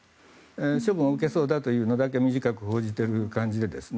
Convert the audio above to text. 処分を受けそうだというのだけ短く報じている感じで。